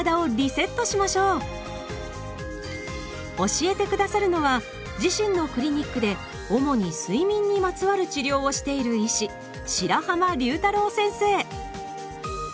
教えて下さるのは自身のクリニックで主に睡眠にまつわる治療をしている医師先生